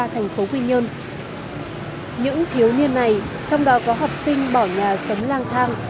thành phố quy nhơn những thiếu niên này trong đó có học sinh bỏ nhà sống lang thang